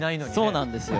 そうなんですよ。